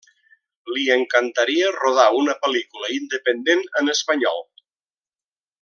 Li encantaria rodar una pel·lícula independent en espanyol.